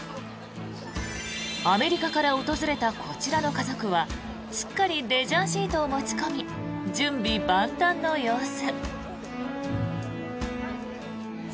アメリカから訪れたこちらの家族はしっかりレジャーシートを持ち込み準備万端の様子。